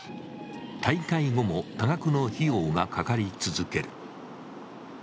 大会後も多額の費用がかかり続ける。